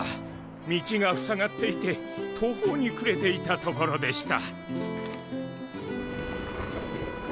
道がふさがっていて途方に暮れていたところでした。